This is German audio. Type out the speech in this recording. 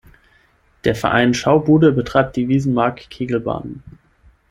Der Verein „Schaubude“ betreibt die Wiesenmarkt-Kegelbahnen.